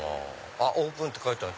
あっオープンって書いてある！